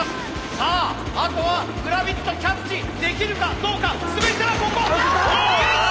さああとはグラビットキャッチできるかどうか全てはここ！できた！